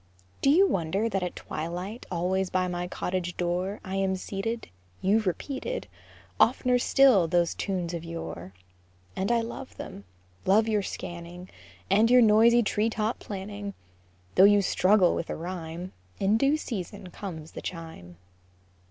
Do you wonder that at twilight Always by my cottage door I am seated? You've repeated Oft'ner still those tunes of yore; And I love them, love your scanning And your noisy tree top planning; Though you struggle with a rhyme, In due season comes the chime.